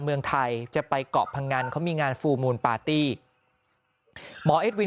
เมืองไทยจะไปเกาะพังงันเขามีงานฟูลมูลปาร์ตี้หมอเอ็ดวี